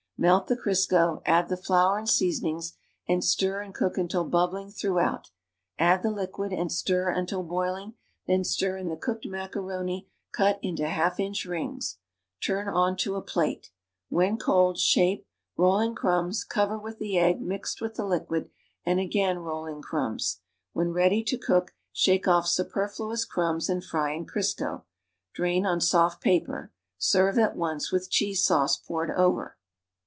Melt the C'risco, add the flour and seasonings and stir and cook until bubbling through out, add the liquid and stir until boiling, then stir in the cooked macaroni cut into half inch rings. Turn onto a plate. When cold, shape, roll in crumbs, cover with the egg mixed with the liquid and again roll in crumbs. When ready to cook shake off superfluous crumbs and fry in Crisco, Drain on soft paper. Serve at once with cheese sauce poured over.